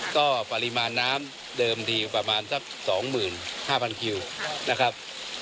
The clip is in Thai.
ก็ปริมาณน้ำเดิมทีประมาณสัก๒๕๐๐คิวนะครับ